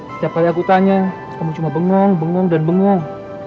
setiap kali aku tanya kamu cuma bengong bengong dan bengong